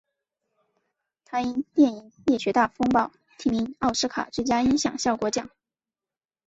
他因电影烈血大风暴提名奥斯卡最佳音响效果奖。